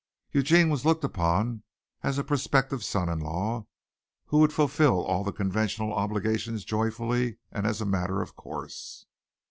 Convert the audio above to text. Eugene was looked upon as a prospective son in law who would fulfill all the conventional obligations joyfully and as a matter of course.